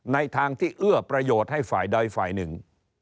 ในทางที่เอื้อประโยชน์ให้ฝ่ายใดฝ่ายหนึ่ง